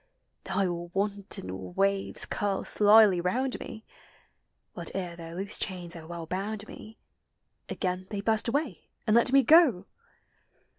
Thy wanton waves curl slyly round me; But ere their loose chains have well hound me, Again they burst away and Id me go!